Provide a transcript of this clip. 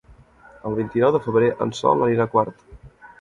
El vint-i-nou de febrer en Sol anirà a Quart.